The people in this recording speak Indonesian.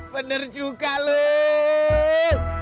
bener juga lul